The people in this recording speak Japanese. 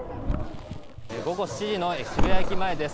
午後７時の渋谷駅前です。